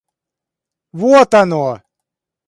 Вот оно!